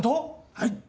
はい。